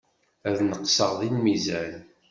Ad neqseɣ deg lmizan.